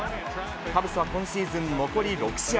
カブスは今シーズン残り６試合。